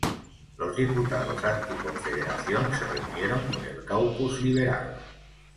Los diputados anti-confederación se reunieron con el caucus liberal.